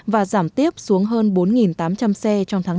và giảm tiếp xuống hơn bốn tám trăm linh xe trong tháng bốn